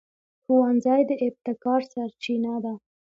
ښوونځی د ابتکار سرچینه ده